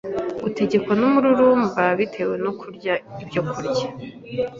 Utegekwa n’umururumba bitewe no kurya ibyokurya